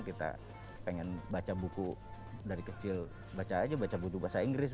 kita pengen baca buku dari kecil baca aja baca buku bahasa inggris